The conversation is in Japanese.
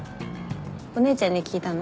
お姉ちゃんに聞いたの？